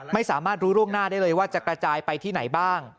ไม่สามารถรู้ร่วงหน้าได้เลยว่าจะกระจายไปที่ไหนบ้าง